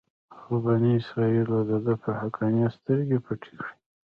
خو بني اسرایلو دده پر حقانیت سترګې پټې کړې.